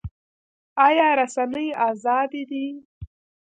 آیا رسنۍ ازادې دي؟